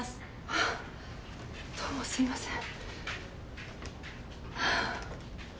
ああどうもすいません。